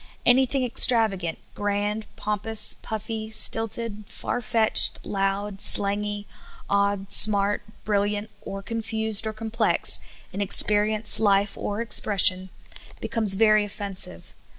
Anything extrava gant, grand, pompous, puffy, stilted, far fetched, loud, slang}^, odd, smart, brilliant, or confused or complex, in experience, life, or expression, becomes very offen sive.